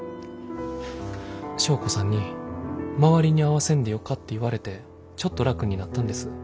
祥子さんに周りに合わせんでよかって言われてちょっと楽になったんです。